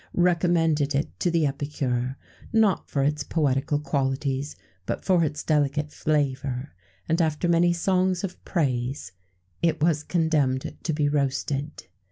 recommended it to the epicure; not for its poetical qualities, but for its delicate flavour; and, after many songs of praise, it was condemned to be roasted.